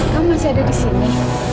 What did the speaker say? kamu masih ada disini